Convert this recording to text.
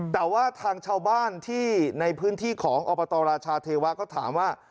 แต่ว่าทางชาวบ้านที่ในพื้นที่ของอบตราชาเทวะก็ถามว่า